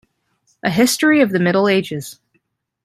A history of the Middle Ages.